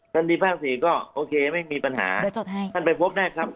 ท่านที่ภาคศรีก็โอเคไม่มีปัญหาเดี๋ยวจดให้ท่านไปพบได้ครับ